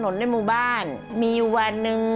ร้องได้ให้ร้าง